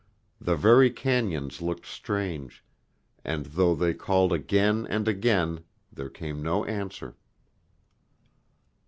The very cañons looked strange, and though they called again and again there came no answer.